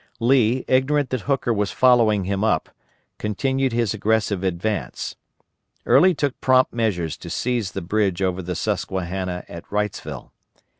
Lee, ignorant that Hooker was following him up, continued his aggressive advance. Early took prompt measures to seize the bridge over the Susquehanna at Wrightsville.